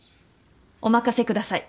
お任せください。